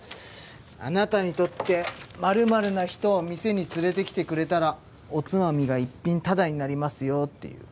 「あなたにとって○○な人を店に連れてきてくれたらおつまみが１品タダになりますよ」っていう。